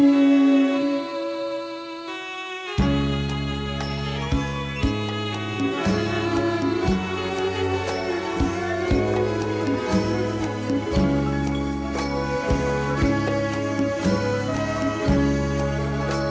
ไม่ใช้ค่ะ